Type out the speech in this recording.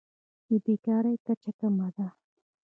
د بیکارۍ کچه کمه ده.